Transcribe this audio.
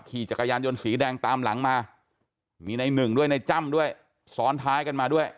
ขี่จักรยานยนต์สีแดงตามหลังมามีในหนึ่งด้วยในจ้ำด้วยซ้อนท้ายกันมาด้วย